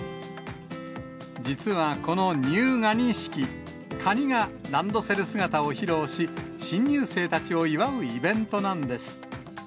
実はこの入ガニ式、カニがランドセル姿を披露し、新入生たちを祝うイベントなんです。